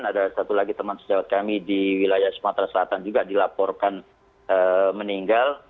ada satu lagi teman sejawat kami di wilayah sumatera selatan juga dilaporkan meninggal